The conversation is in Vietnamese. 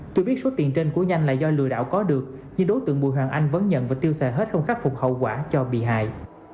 tuy biết số tiền trên của nhanh là do lừa đảo có được nhưng đối tượng bùi hoàng anh vẫn nhận và tiêu xài hết không khắc phục hậu quả cho bị hại